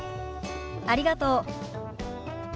ありがとう。